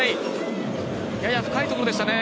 やや深いところでしたね。